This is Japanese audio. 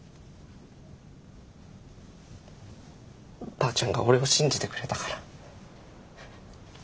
ばあちゃんが俺を信じてくれたから。